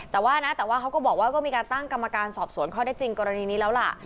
แต่ว่านะแต่ว่าเขาก็บอกว่าก็มีการตั้งกรรมการสอบสวนข้อได้จริงกรณีนี้แล้วล่ะ